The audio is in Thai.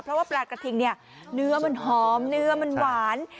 เพราะว่าปลากระทิงเนี่ยเนื้อมันหอมเนื้อมันหวาน